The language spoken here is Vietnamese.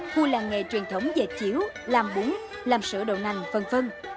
khu làng nghề truyền thống dệt chiếu làm bún làm sữa đầu nành v v